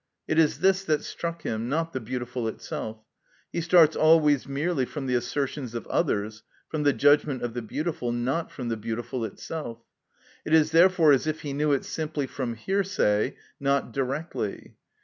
It is this that struck him, not the beautiful itself. He starts always merely from the assertions of others, from the judgment of the beautiful, not from the beautiful itself. It is therefore as if he knew it simply from hearsay, not directly.